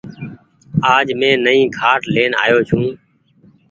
آج مين ايڪ نئي کآٽ لين آئو ڇون۔